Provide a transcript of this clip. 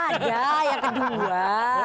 ada yang kedua